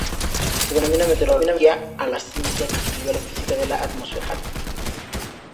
Se denomina meteorología a la ciencia que estudia la física de la atmósfera.